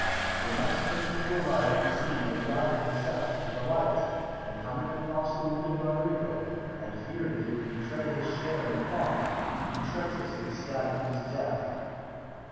The next person to arrive on the scene was Iago himself, with a light, and coming across the wounded Roderigo, and fearing he would betray his share in the plot, he treacherously stabbed him to death.